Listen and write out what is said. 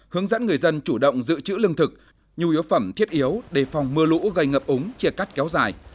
hướng dẫn người dân chủ động giữ chữ lương thực nhu yếu phẩm thiết yếu đề phòng mưa lũ gây ngập úng chia cắt kéo dài